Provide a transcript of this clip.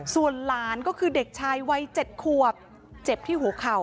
ส่วนหลานก็คือเด็กชายวัย๗ขวบเจ็บที่หัวเข่า